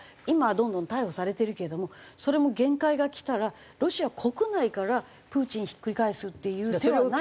今はどんどん逮捕されてるけどもそれも限界がきたらロシア国内からプーチンひっくり返すっていう手は。